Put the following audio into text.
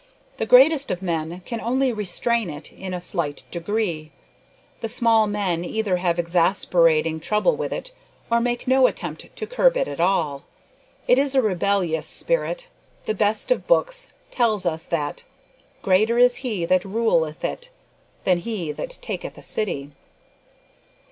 The greatest of men can only restrain it in a slight degree. The small men either have exasperating trouble with it, or make no attempt to curb it at all. It is a rebellious spirit. The best of books tells us that, "Greater is he that ruleth it, than he that taketh a city."